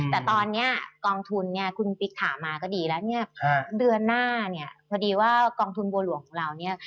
แต่ตอนนี้กองทุนคุณปริกถามมาก็ดีแล้วเดือนหน้าพอดีว่ากองทุนบัวหลวงของเรา